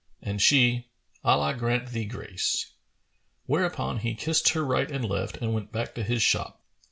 And she, "Allah grant thee grace!"[FN#433] whereupon he kissed her right and left and went back to his shop.